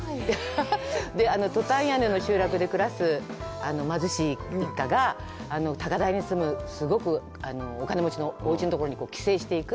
トタン屋根の集落で暮らす、貧しい一家が高台に住む、すごくお金持ちのおうちのところに寄生していく。